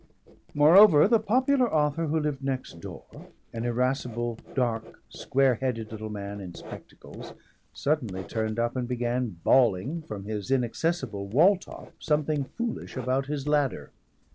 Moreover the popular author who lived next door, an irascible dark square headed little man in spectacles, suddenly turned up and began bawling from his inaccessible wall top something foolish about his ladder.